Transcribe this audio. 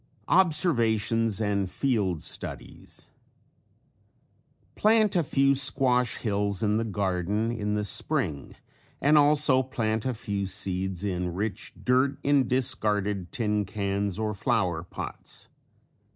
OBSERVATIONS AND FIELD STUDIES Plant a few squash hills in the garden in the spring and also plant a few seeds in rich dirt in discarded tin cans or flower pots.